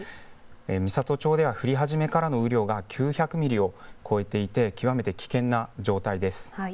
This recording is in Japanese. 美郷町では降り始めからの雨量が９００ミリを超えていて極めて危険な状態です。